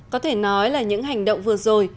có thể nói là những hành động vừa rồi